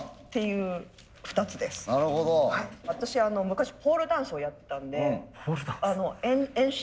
私昔ポールダンスをやってたんで遠心力。